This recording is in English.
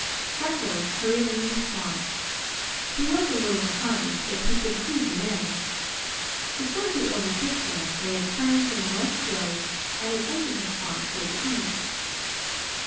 Freckles hurried into the swamp. He was a little behind, yet he could see the men. Before he overtook them, they had turned from the west road and had entered the swamp toward the east.